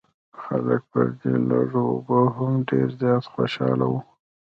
خلک پر دې لږو اوبو هم ډېر زیات خوشاله وو.